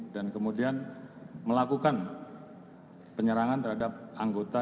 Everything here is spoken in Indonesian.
dan kemudian melakukan penyerangan terhadap anggota